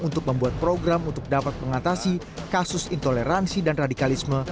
untuk membuat program untuk dapat mengatasi kasus intoleransi dan radikalisme